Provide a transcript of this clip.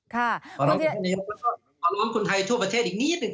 ขอร้องคนไทยทั่วประเทศอีกนิดหนึ่ง